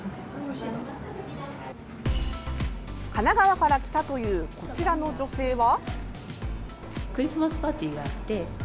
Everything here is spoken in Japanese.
神奈川から来たというこちらの女性は？